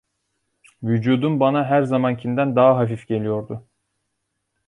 Vücudum bana her zamankinden daha hafif geliyordu.